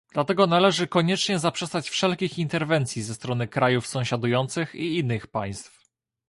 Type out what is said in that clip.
Dlatego należy koniecznie zaprzestać wszelkich interwencji ze strony krajów sąsiadujących i innych państw